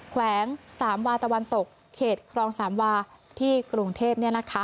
แขวงสามวาตะวันตกเขตครองสามวาที่กรุงเทพ